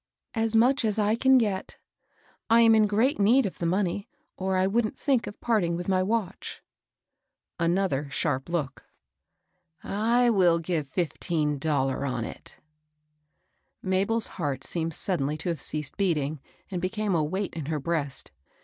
^^ As much as I can get. I am in great need of the money, or I wouldn't think of parting with my watch." Another sharp look. wm ^ At thb Paww Bbokxb's. Page 229. THE PAWNBROKER. 229 I will give fifteen dollar on it." Mabel's heart seemed suddenly to have ceased beating, and became a weight in her breast.